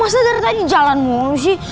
masa dari tadi jalan mulu sih